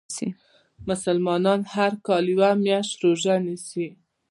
مسلمانان هر کال یوه میاشت روژه نیسي .